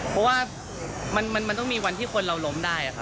เพราะว่ามันต้องมีวันที่คนเราล้มได้ค่ะ